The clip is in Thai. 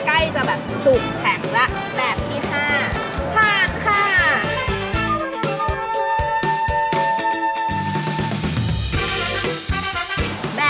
ใกล้จะแบบสุกแข็งแล้ว